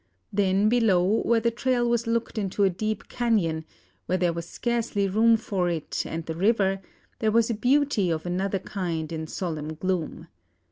Then below, where the trail was locked into a deep canyon, where there was scarcely room for it and the river, there was a beauty of another kind in solemn gloom.